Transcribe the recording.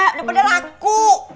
udah pada laku